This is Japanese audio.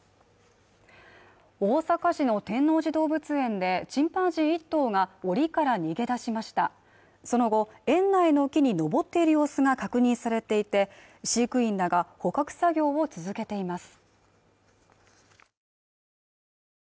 大阪市の天王寺動物園でチンパンジー１頭がおりから逃げ出しましたその後園内の木に登っている様子が確認されていて飼育員らが捕獲作業を続けています